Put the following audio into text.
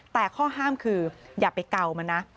แต่ข้อห้ามคืออย่าไปเกามันนะ